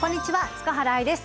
塚原愛です。